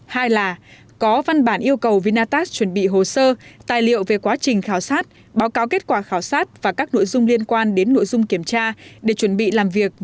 hai là có văn bản yêu cầu vinatax chuẩn bị hồ sơ tài liệu về quá trình khảo sát báo cáo kết quả khảo sát và các nội dung liên quan đến nội dung kiểm tra để chuẩn bị làm việc với đoàn kiểm tra